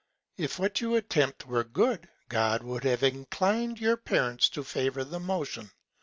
If what you attempt were good, God would have inclined your Parents to favour the Motion.